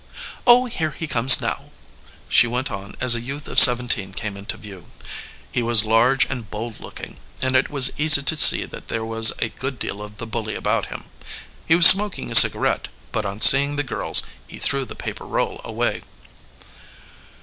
"Oh, here he comes now!" she went on as a youth of seventeen came into view. He was large and bold looking, and it was easy to see that there was a good deal of the bully about him. He was smoking a cigarette, but on seeing the girls he threw the paper roll away.